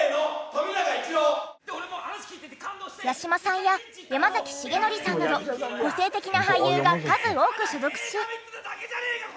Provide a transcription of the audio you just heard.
八嶋さんや山崎樹範さんなど個性的な俳優が数多く所属し。